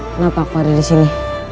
kenapa aku ada disini